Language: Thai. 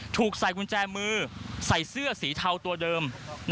ถูกใส่กุญแจมือใส่เสื้อสีเทาตัวเดิม